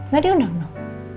gak diundang nuh